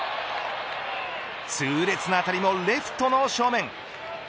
痛烈な当たりもレフトの正面。